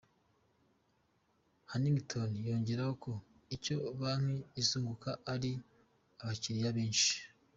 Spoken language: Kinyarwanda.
Hannington yongeraho ko icyo banki izunguka ari abakiriya benshi.